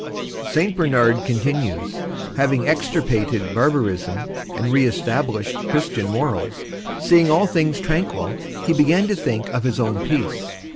St. Bernard continues: Having extirpated barbarism and re established Christian morals, seeing all things tranquil he began to think of his own peace.